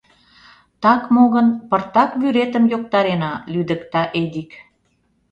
— Так мо гын, пыртак вӱретым йоктарена, — лӱдыкта Эдик.